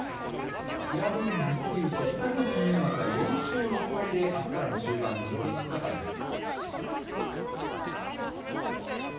平戸海、水戸龍と２人の新入幕は４勝６敗で明日からの５日間です。